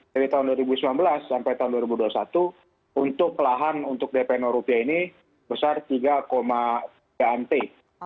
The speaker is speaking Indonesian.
dari tahun dua ribu sembilan belas sampai tahun dua ribu dua puluh satu untuk lahan untuk dp rupiah ini besar tiga ant